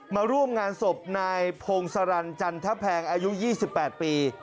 มาร่วมงานศพนายพงศรันจันทแพงอายุ๒๘ปี